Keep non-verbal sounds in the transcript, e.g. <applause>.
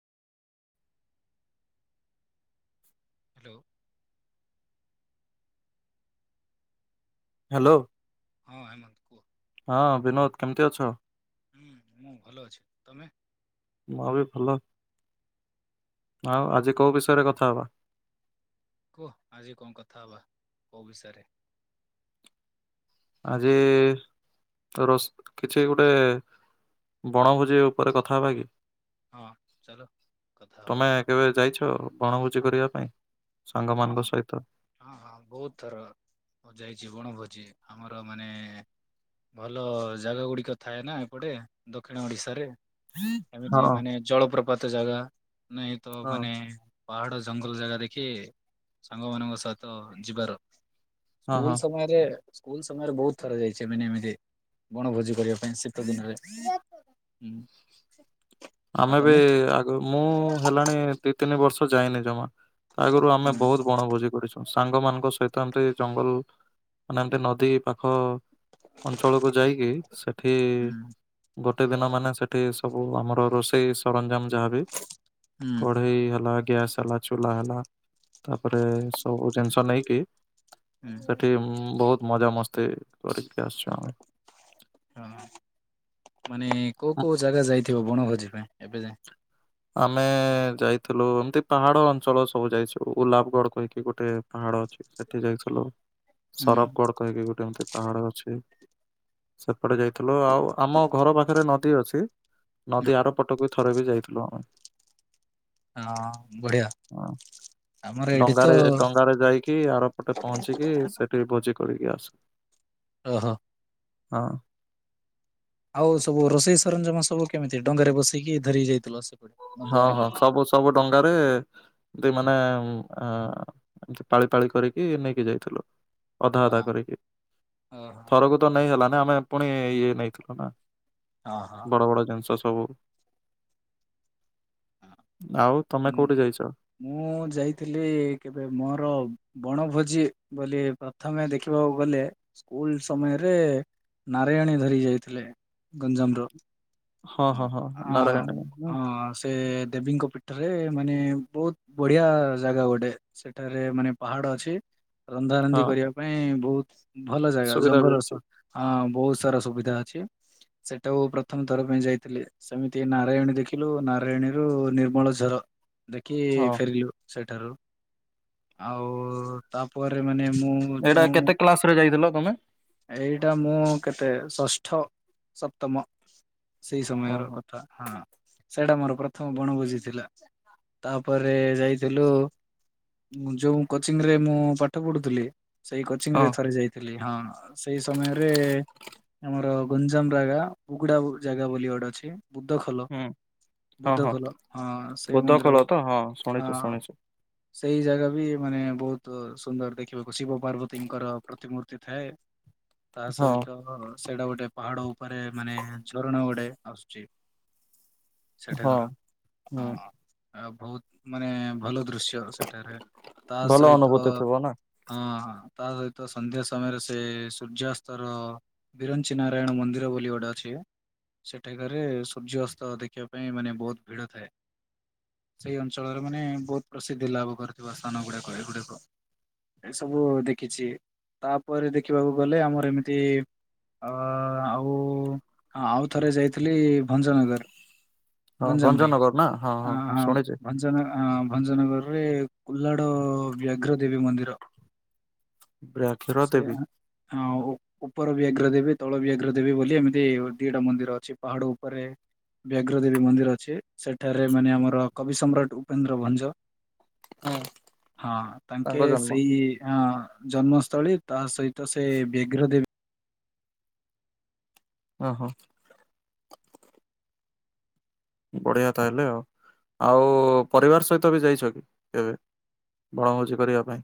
Hello. Hello, ହଁ ହେମନ୍ତ କୁହ ହଁ ବିନୋଦ କେମିତି ଅଛ? ହୁଁ, ମୁଁ ଭଲ ଅଛି। ତମେ? ମୁଁ ବି ଭଲ ଆଉ ହୁଁ ଆଜି କୋଉ ବିଷୟରେ କଥା ହବା? କୁହ ଆଜି କଣ କଥା ହବା କୋଉ ବିଷୟରେ? ଆଜି ତ ରୋସ୍ କିଛି ଗୋଟେ ବଣଭୋଜିେ ଉପରେ କଥା ହବା କି? ହଁ ଚାଲ କଥା ହବା। ତମେ କେବେ ଯାଇଛ ବଣଭୋଜି କରିବା ପାଇଁ ହଁ ସାଙ୍ଗମାନଙ୍କ ହଁ ସହିତ? ହଁ ହଁ ବହୁତ ଥର ଯାଇଛି ବଣ ଭୋଜି। ଆମର ମାନେ ଭଲ ଜାଗା ଗୁଡିକ ଥାଏ ନା ଏପଟେ ଦକ୍ଷିଣ ଓଡ଼ିଶା ରେ। ହଁ ଏମିତି ମାନେ ଜଳପ୍ରପାତ ଜାଗା ନାହିଁ ତ ହଁ ମାନେ ପାହାଡ ଜଙ୍ଗଲ ଜାଗା ଦେଖି ସାଙ୍ଗ ମାନଙ୍କ ସହିତ ଯିବାର ହଁ ସ୍କୁଲ ହଁ ସମୟରେ ସ୍କୁଲ ସମୟରେ ବହୁତ ଥର ଯାଇଛି ଏମିତି ଏମିତି ବଣଭୋଜି କରିବା ପାଇଁ ଶୀତ ଦିନରେ। <inaudible> ଆଉ ଆମେ ତମେ ବି ଆଗ ମୁଁ ହେଲାଣି ଦି ତିନି ବର୍ଷ ଯାଇନି ଜମା ଆଗରୁ ଆମେ ହୁଁ ବହୁତ ବଣଭୋଜି କରିଚୁ। ସାଙ୍ଗ ମାନଙ୍କ ସହିତ ତ ଏମତି ଜଙ୍ଗଲ ମାନେ ଏମତି ନଦୀ ପାଖ ଅଞ୍ଚଳକୁ ଯାଇକି ସେଠି ହୁଁ ଗୋଟେ ଦିନ ମାନେ ସେଠି ସବୁ ଆମର ରୋଷେଇ ସରଞ୍ଜାମ ଯାହାବି ହୁଁ କଢେଇ ହେଲା ଗ୍ୟାସ୍ ହେଲା, ଚୁଲା ହେଲା ତାପରେ ସବୁ ଜିନିଷ ନେଇକି ହୁଁ ସେଠି ବହୁତ ମଜାମସ୍ତି କରିକି ଆସିଛୁ ଆମେ। ମାନେ କୋଉ କୋଉ ଜାଗା ଯାଇଥିବ ବଣ ଭୋଜି ପାଇଁ ଏବେ ଯାଏ। ଆମେ ଯାଇଥିଲୁ ଏମତି ପାହାଡ ଅଞ୍ଚଳ ସବୁ ଯାଇଚୁ। ଉଲାପଗଡ କହିକି ଗୋଟେ ପାହାଡ ଅଛି ସେଠିକି ଯାଇଥିଲୁ। ହୁଁ ସରପଗଡ କହିକି ଗୋଟେ ଏମତି ପାହାଡ ଅଛି ସେପଟେ ଯାଇଥିଲୁ ଆଉ ଆମ ଘର ପାଖରେ ନଦୀ ଅଛି। ନଦୀ ଆର ପଟକୁ ଥରେ ବି ଯାଇଥିଲୁ ଆମେ। ହଁ ବଢିଆ। ଆମର ଏଇଠି ତ ଡଙ୍ଗାରେ ଡଙ୍ଗାରେ ଯାଇକି ଆରପଟେ ପହଞ୍ଚିକି ସେଠି ଭୋଜି କରିିକି ଆସୁ। ଓ ହୋ। ହଁ। ଆଉ ସବୁ ରୋଷେଇ ସରଞ୍ଜାମ ସବୁ କେମିତି ଡଙ୍ଗା ରେ ବସିକି ଧରି ଯାଇଥିଲ ସବୁ। ହଁ ହଁ ସବୁ ସବୁ ଡଙ୍ଗାରେ ମାନେ ଅ ପାଳି ପାଳି କରିକି ନେଇକି ଯାଇଥିଲୁ। ଅଧା ଅଧା ହଁ କରିକି, ଓହୋ ଥରକୁ ତ ନେଇ ହେଲାନି ଆମେ ପୁଣି ଇଏ ନେଇଥିଲୁ ନା। ହଁ ହଁ ବଡ଼ ବଡ଼ ଜିନିଷ ସବୁ। ଆଉ ତମେ କୋଉଠି ଯାଇଛ? ମୁଁ ଯାଇଥିଲି କେବେ ମୋର ବଣଭୋଜି ବୋଲି ପ୍ରଥମେ ଦେଖିବାକୁ ଗଲେ ସ୍କୁଲ ସମୟରେ ନାରାୟଣୀ ଧରି ଯାଇଥିଲେ ଗଞ୍ଜାମ ର ହଁ ହଁ ହଁ ହ ନାରାୟଣୀ ନା? ହଁ, ସେ ଦେବୀଙ୍କ ପିଠ । ମାନେ ବହୁତ ବଢିଆ ଜାଗା ଗୋଟେ, ସେଠାରେ ମାନେ ପାହାଡ ଅଛି । ରନ୍ଧାରନ୍ଧି ହଁ କରିବା ପାଇଁ ବହୁତ ଭଲ ଜାଗା, ସୁବିଧା ବି ଜଙ୍ଗଲ ଅଛି ବହୁତ ସାରା ସୁବିଧା ଅଛି। ସେଟାକୁ ପ୍ରଥମ ଥର ପାଇଁ ଯାଇଥିଲି ସେମିତି ନାରାୟଣୀ ଦେଖିଲୁ, ନାରାୟଣୀରୁୁ ନିର୍ମଳ ଝର୍ ଦେଖି ହଁ। ଫେରିଲୁ, ସେଠି ଆଉ, ତାପରେ ମାନେ ମୁଁ ଏଇଟା ଯୋଉ କେତେ କ୍ଲାସ ରେ ଯାଇଥିଲ ତମେ ଏଇଟା ମୁଁ କେତେ ଷଷ୍ଠ, ସପ୍ତମ ସେଇ ସମୟର ଓହୋ କଥା, ହଁ ସେଇଟା ମୋର ପ୍ରଥମ ବଣଭୋଜି ଥିଲା ତାପରେ ଯାଇଥିଲୁ ଯୋଉ କୋଚିଂ ରେ ମୁଁ ପାଠ ପଢୁଥିଲି, ସେଇ କୋଚିଂ ହଁ ରେ ହଁ ଥରେ ଯାଇଥିଲି, ହଁ ସେଇ ସମୟରେ ଆମର ଗଞ୍ଜାମ ଜଗା ବୁଗୁଡା ଜାଗା ବୋଲି ଗୁଟେ ଅଛି ବୁଧ ଖୋଲ ହୁଁ । ହଁ ବୁଦ୍ଧ ହଁ ଖୋଲ, ହଁ ସେଇ ବୋଧ ଖୋଳ ମନ୍ଦିରକୁ ତ ହଁ ଶୁଣିଛୁ ହଁ। ଶୁଣିଛୁ। ସେଇ ଜାଗା ବି ମାନେ ବହୁତ ସୁନ୍ଦର ଦେଖିବାକୁ, ଶିବ ପାର୍ବତୀଙ୍କର ପ୍ରତିମୂର୍ତ୍ତି ଥାଏ। ତା ହଁ ସହିତ ସେଇଟା ଗୋଟେ ପାହାଡ । ମାନେ, ମାନେ ଝରଣ ଗୋଡେ ଆସୁଛି। ହଁ ସେଠାକାର ହୁଁ ହଁ, ଆଉ ବହୁତ ମାନେ ଭଲ । ଦୃଶ୍ୟ ସେଠାରେ, ତା ଭଲ ସହିତ ଅନୁଭୂତି ଥିବ ନା ହଁ ତା ଏକ ସନ୍ଧ୍ୟା ସମୟରେ ସେ ସୂର୍ଯ୍ୟାସ୍ତର ବିରଞ୍ଚି ନାରାୟଣ ମନ୍ଦିର ବୋଲି ଗୋଟେ ଅଛି । ସେଠାକାରେ ସୂର୍ଯ୍ୟ ଅସ୍ତ ଦେଖିବା ପାଇଁ ମାନେ ବହୁତ ଭିଡ ଥାଏ। ସେଇ ଅଞ୍ଚଳରେ ମାନେ ବହୁତ ପ୍ରସିଦ୍ଧି ଲାଭ କରିଥିବା ସ୍ଥାନ ଗୁଡାକ ଏଗୁଡିକ । ଏ ସବୁ ଦେଖିଛି ତାପରେ ଦେଖିବାକୁ ଗଲେ, ଆମର ଏମିତି ଅ, ଆଉ ଆଉଥରେ ଯାଇଥିଲି, ଭଞ୍ଜନଗର ହଁ ଗଞ୍ଜାମର ହିଁ, ଭଞ୍ଜନଗର ନା ହଁ ହଁ ଶୁଣିଛି ଗଞ୍ଜାମ। ଭଞ୍ଜନଗରରେ କୋଲାଡ ବ୍ୟାଘ୍ର ଦେବୀ ମନ୍ଦିର । ବ୍ୟାଘ୍ର ଦେବି ହଁ, ଓ ଉପର ବ୍ୟାଘ୍ର ଦେବୀ, ତଳ ବ୍ୟାଘ୍ର ଦେବୀ, ବୋଲି ଏମିତି ଦିଟା ମନ୍ଦିର ଅଛି ପାହାଡ ଉପରେ ବ୍ୟାଘ୍ର ଦେବୀ ମନ୍ଦିର ଅଛି, ସେଠାରେ ମାନେ ଆମର କବି ସମ୍ରାଟ ଉପେନ୍ଦ୍ର ଭଞ୍ଜ ହଁ ହଁ, ତାଙ୍କେ ତାଙ୍କ ଜନ୍ମ ସେଇ ଅ ଜନ୍ମସ୍ଥଳୀ, ତା ସହିତ ତ ସେ ବ୍ୟାଘ୍ର ଦେବି ଓ ହୋ । ବଢିଆ ତାହେଲେ ଆଉ, ଆଉ ପରିବାର ସହିତ ବି ଯାଇଛ କି କେବେ? ବଣଭୋଜି କରିବା ପାଇଁ ।